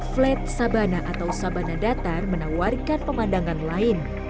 flat sabana atau sabana datar menawarkan pemandangan lain